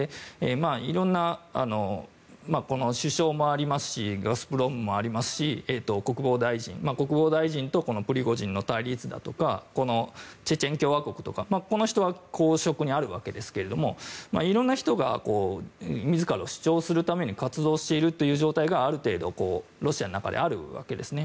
いろんな首相もありますしガスプロムもありますし国防大臣その国防大臣とプリゴジンの対立だとかチェチェン共和国とかこの人らは公職にあるわけですがいろんな人が自ら主張するために活動しているという状態がある程度、ロシアの中であるわけですね。